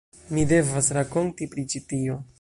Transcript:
Mi devas rakonti pri ĉi tio.